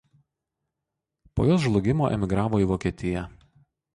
Po jos žlugimo emigravo į Vokietiją.